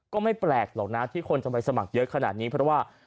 ก็ไม่แปลกหรอกนะที่คนจะไปสมัครเยอะขนาดนี้เพราะว่า